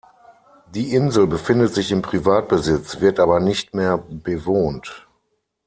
Die Insel befindet sich in Privatbesitz, wird aber nicht mehr bewohnt.